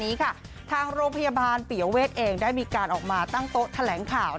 นี้ค่ะทางโรงพยาบาลปิยเวทเองได้มีการออกมาตั้งโต๊ะแถลงข่าว